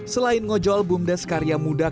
selain ngojol bumdes karya muda